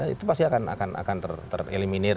itu pasti akan tereliminir